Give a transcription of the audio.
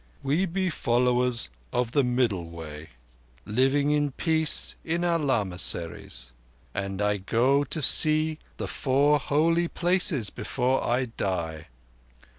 "We be followers of the Middle Way, living in peace in our lamasseries, and I go to see the Four Holy Places before I die.